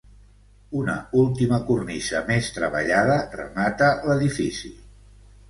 Una última cornisa, més treballada, remata l'edifici.